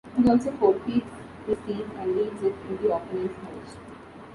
He also forfeits his seeds and leaves it in the opponent's house.